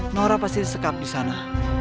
nora pasti sekap di sana